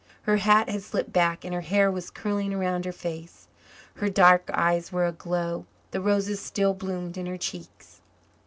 Her hat had slipped back and her hair was curling around her face. Her dark eyes were aglow; the roses still bloomed in her cheeks. Mr.